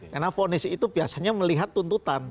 karena fonis itu biasanya melihat tuntutan